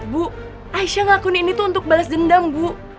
bu aisyah ngelakuin ini tuh untuk balas dendam bu